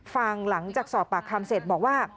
หลังจากสอบปากคำเสร็จบอกว่า